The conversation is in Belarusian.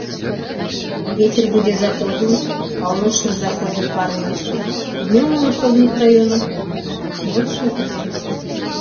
Вецер будзе заходні, паўночна-заходні парывісты, днём у асобных раёнах моцны парывісты.